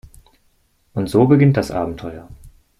Und so beginnt das Abenteuer.